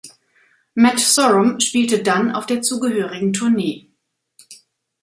Matt Sorum spielte dann auf der zugehörigen Tournee.